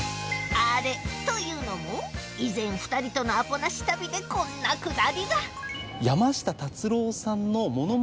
アレというのも以前２人のアポなし旅でこんなくだりがアポなしの。